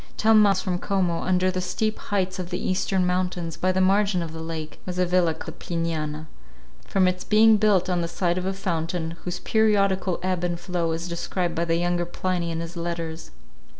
Ten miles from Como, under the steep heights of the eastern mountains, by the margin of the lake, was a villa called the Pliniana, from its being built on the site of a fountain, whose periodical ebb and flow is described by the younger Pliny in his letters.